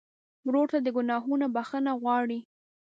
ورور ته د ګناهونو بخښنه غواړې.